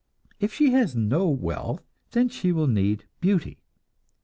If she has no wealth, then she will need beauty.